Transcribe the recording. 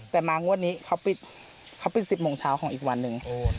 แต่มาวันนี้เขาปิด๑๐โมงเช้าของอีกวันนึง